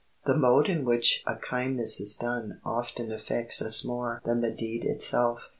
The mode in which a kindness is done often affects us more than the deed itself.